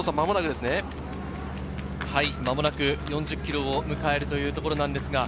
もう間もなく４０ｋｍを迎えようというところです。